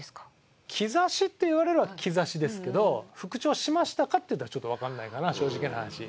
兆しって言われれば兆しですけど復調しましたかって言われたらちょっとわかんないかな正直な話。